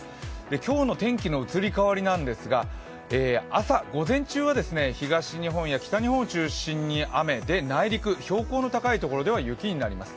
今日の天気の移り変わりですが、午前中は東日本や北日本を中心に雨で内陸、標高の高いところは雪になります。